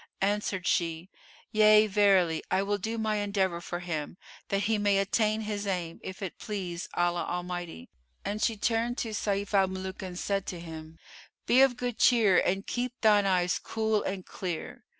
Answered she, "Yea, verily; I will do my endeavour for him, that he may attain his aim, if it please Allah Almighty." And she turned to Sayf al Muluk and said to him, "Be of good cheer and keep thine eyes cool and clear."